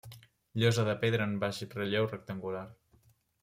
Llosa de pedra en baix relleu rectangular.